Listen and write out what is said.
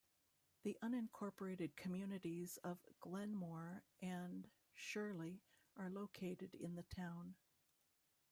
The unincorporated communities of Glenmore and Shirley are located in the town.